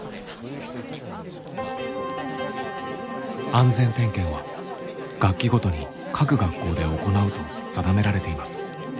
安全点検は学期ごとに各学校で行うと定められています。